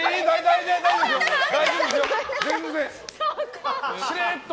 大丈夫ですよ、全然。